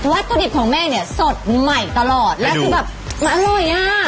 วัตถุดิบของแม่เนี่ยสดใหม่ตลอดแล้วคือแบบมันอร่อยอ่ะ